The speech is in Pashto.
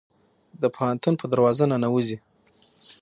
د پوهنتون په دروازه ننوزي